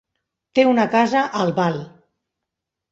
Té una casa a Albal.